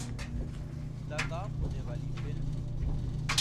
ناکام ہونے والی فلم